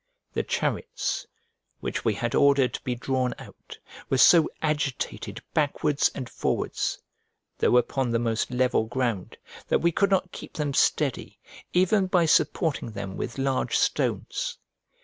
The chariots, which we had ordered to be drawn out, were so agitated backwards and forwards, though upon the most level ground, that we could not keep them steady, even by supporting them with large stones.